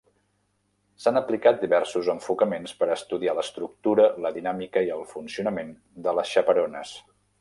S'han aplicat diversos enfocaments per a estudiar l'estructura, la dinàmica i el funcionament de les xaperones.